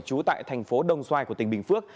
trú tại thành phố đồng xoài của tỉnh bình phước